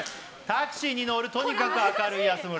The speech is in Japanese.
タクシーに乗るとにかく明るい安村。